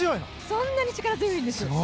そんなに力強いんです。